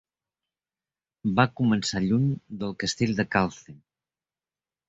Va començar lluny del castell de Calce.